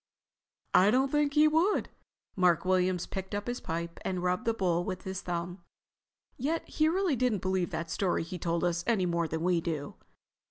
"I don't think he would." Mark Williams picked up his pipe and rubbed the bowl with his thumb. "Yet he didn't really believe that story he told us any more than we do."